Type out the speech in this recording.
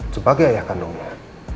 sebagai ayah kandungnya